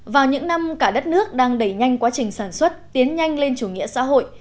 vào những năm cả đất nước đang đẩy nhanh quá trình sản xuất tiến nhanh lên chủ nghĩa xã hội